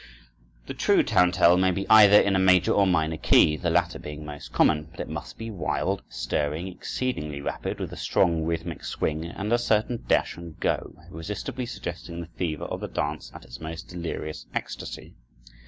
The true tarantelle may be either in a major or minor key, the latter being most common; but it must be wild, stirring, exceedingly rapid, with a strong rhythmic swing and a certain dash and go, irresistibly suggesting the fever of the dance at its most delirious ecstasy.